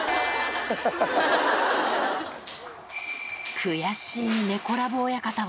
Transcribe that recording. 悔しい猫ラブ親方は。